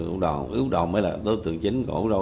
úc râu mới là đối tượng chính của úc râu